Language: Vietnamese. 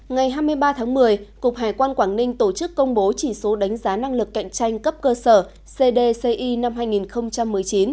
ngày hai mươi ba tháng một mươi cục hải quan quảng ninh tổ chức công bố chỉ số đánh giá năng lực cạnh tranh cấp cơ sở cdci năm hai nghìn một mươi chín